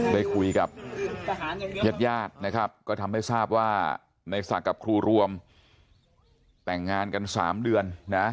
ได้คุยกับญาติญาตินะครับก็ทำให้ทราบว่าในศักดิ์กับครูรวมแต่งงานกัน๓เดือนนะ